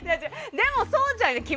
でもそうじゃない！